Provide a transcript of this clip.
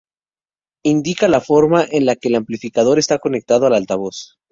Indica la forma en que el amplificador está conectado al altavoz.